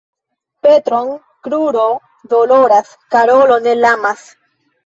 Petron kruro doloras, Karolo ne lamas.